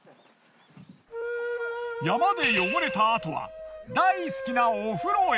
山で汚れたあとは大好きなお風呂へ。